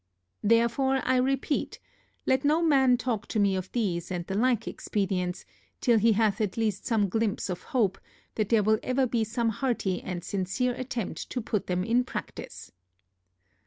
Therefore I repeat, let no man talk to me of these and the like expedients, till he hath at least some glympse of hope, that there will ever be some hearty and sincere attempt to put them into practice.